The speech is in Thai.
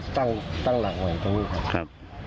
ตั้งหลังหน่อยตรงนี้ครับ